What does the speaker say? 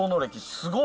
すごい。